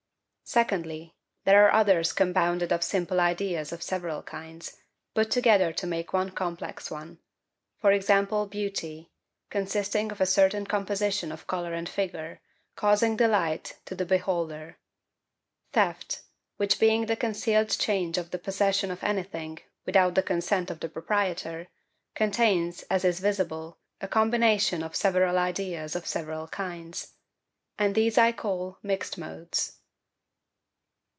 Secondly, there are others compounded of simple ideas of several kinds, put together to make one complex one;—v.g. beauty, consisting of a certain composition of colour and figure, causing delight to the beholder; theft, which being the concealed change of the possession of anything, without the consent of the proprietor, contains, as is visible, a combination of several ideas of several kinds: and these I call MIXED MODES.